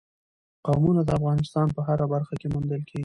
قومونه د افغانستان په هره برخه کې موندل کېږي.